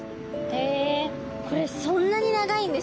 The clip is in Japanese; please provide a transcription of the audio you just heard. へえこれそんなに長いんですか？